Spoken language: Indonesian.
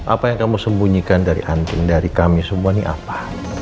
apa yang kamu sembunyikan dari anting dari kami semua ini apa